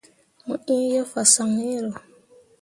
Mo iŋ ye fasaŋ iŋro.